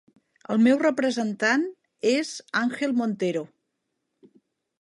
El meu representant és Angel Montero.